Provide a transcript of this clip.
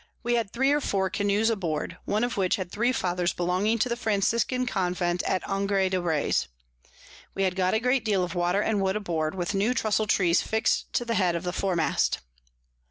We had three or four Canoes aboard, one of which had three Fathers belonging to the Franciscan Convent at Angre de Reys. We had got a great deal of Water and Wood aboard, with new Trusle Trees fix'd to the head of the Fore Mast.